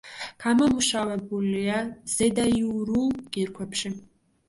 გამომუშავებულია ზედაიურულ კირქვებში.